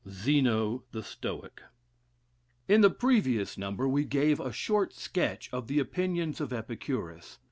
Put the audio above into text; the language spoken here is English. "I" ZENO, THE STOIC In the previous number we gave a short sketch of the opinions of Epicurus.